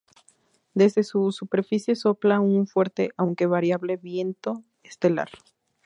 Desde su superficie sopla un fuerte aunque variable viento estelar.